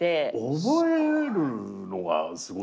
思えるのがすごいですね。